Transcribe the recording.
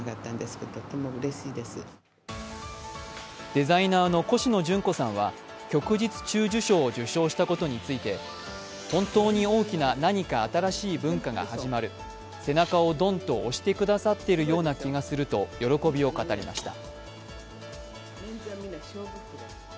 デザイナーのコシノジュンコさんは旭日中綬章を受章したことについて本当に大きな、何か新しい文化が始まる、背中をどんと押してくださっているような気がすると喜びを語りました。